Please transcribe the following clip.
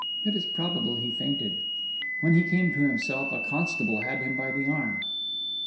It is probable he fainted. When he came to himself, a constable had him by the arm.